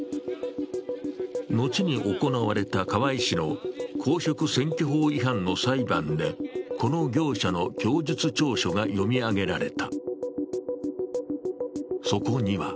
後に行われた河合氏の公職選挙法違反の裁判で、この業者の供述調書が読み上げられた。